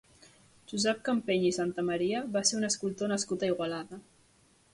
Josep Campeny i Santamaria va ser un escultor nascut a Igualada.